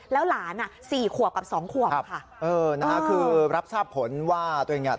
แล้วหลานอ่ะสี่ขวบกับสองขวบค่ะเออนะฮะคือรับทราบผลว่าตัวเองเนี่ย